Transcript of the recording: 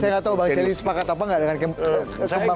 saya nggak tahu pak chely sepakat apa nggak dengan kemaplastik